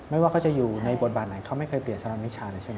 ว่าเขาจะอยู่ในบทบาทไหนเขาไม่เคยเปลี่ยนสถานวิชาเลยใช่ไหม